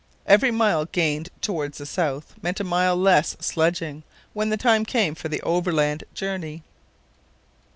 Every mile gained towards the south meant a mile less sledging when the time came for the overland journey.